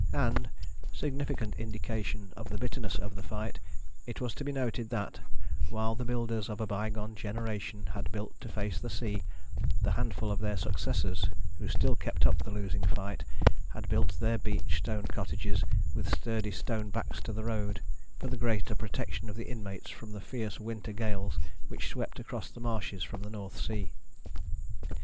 And significant indication of the bitterness of the fight it was to be noted that, while the builders of a bygone generation had built to face the sea, the handful of their successors who still kept up the losing fight had built their beach stone cottages with sturdy stone backs to the road, for the greater protection of the inmates from the fierce winter gales which swept across the marshes from the North Sea.